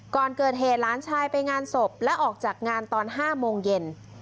ก่อนเกิดเหตุหลานชายไปงานศพและออกจากงานตอน๕โมงเย็น